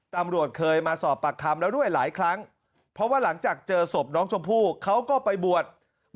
ตำรวจเคยมาสอบปากคำแล้วด้วยหลายครั้งเพราะว่าหลังจากเจอศพน้องชมพู่เขาก็ไปบวช